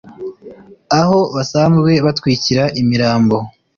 aho basanzwe batwikira imirambo